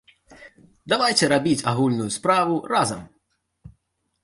Давайце рабіць агульную справу разам!